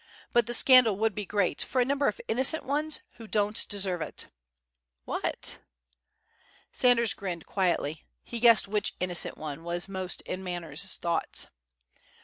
But the scandal would be great, for a number of innocent ones who don't deserve it. What?" Sanders grinned quietly. He guessed which innocent one was most in Manners' thoughts!